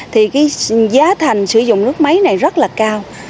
thì cái giá thành sử dụng nước máy này rất là cao